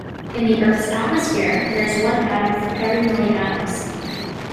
In the Earth's atmosphere, there is one atom for every million atoms.